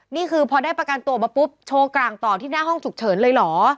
นี่คือพอได้ประกันตัวออกมาปุ๊บโชว์กลางต่อที่หน้าห้องฉุกเฉินเลยเหรอ